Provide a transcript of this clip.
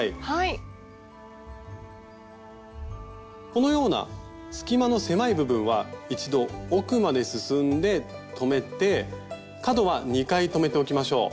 このような隙間の狭い部分は一度奥まで進んで留めて角は２回留めておきましょう。